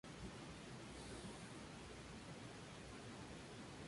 Consta de dos subespecies, una de las cuales es cultivada.